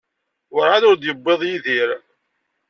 Werɛad ur d-yewwiḍ Yidir?